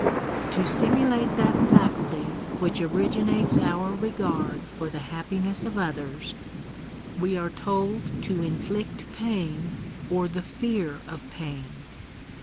To stimulate that faculty which originates our regard for the happiness of others, we are told to inflict pain, or the fear of pain